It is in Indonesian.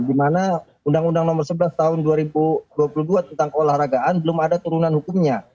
dimana undang undang nomor sebelas tahun dua ribu dua puluh dua tentang keolahragaan belum ada turunan hukumnya